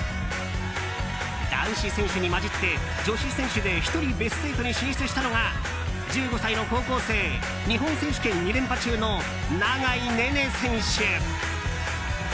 男子選手に交じって、女子選手で１人、ベスト８に進出したのが１５歳の高校生日本選手権２連覇中の永井音寧選手。